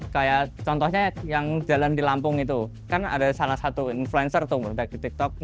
kayak contohnya yang jalan di lampung itu kan ada salah satu influencer tuh produk di tiktok